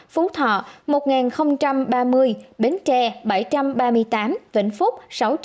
phú thọ một ba mươi bến tre bảy trăm ba mươi tám vĩnh phúc bảy trăm ba mươi tám